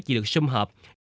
chỉ được xâm hợp